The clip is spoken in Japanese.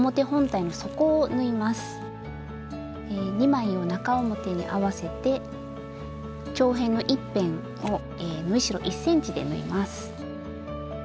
２枚を中表に合わせて長辺の１辺を縫い代１ｃｍで縫います。